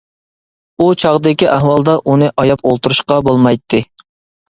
— ئۇ چاغدىكى ئەھۋالدا ئۇنى ئاياپ ئولتۇرۇشقا بولمايتتى.